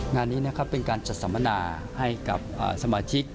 งานนี้นะครับเป็นการจัดสัมมนาให้กับสมาชิก